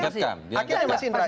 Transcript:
akhirnya mas indra